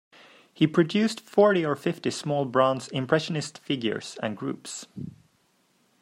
He produced forty or fifty small bronze Impressionist figures and groups.